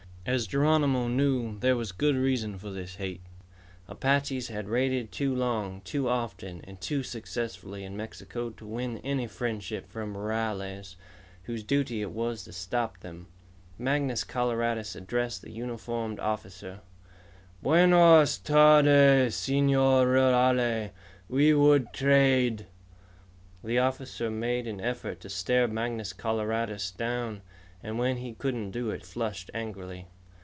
As Geronimo knew, there was good reason for this hate. Apaches had raided too long, too often, and too successfully in Mexico to win any friendship from rurales whose duty it was to stop them. Mangus Coloradus addressed the uniformed officer: "Buenas tardes, Señor Rurale. We would trade." The officer made an effort to stare Mangus Coloradus down, and when he couldn't do it, flushed angrily.